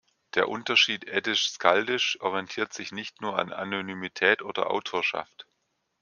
Der Unterschied eddisch-skaldisch orientiert sich nicht nur an Anonymität oder Autorschaft.